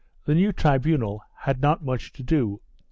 The new tribunal had not much to do.